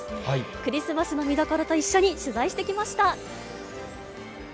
クリスマスの見どころと一緒に取材してきました。